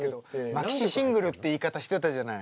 マキシシングルって言い方してたじゃない。